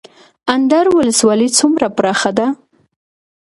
اندړ ولسوالۍ څومره پراخه ده؟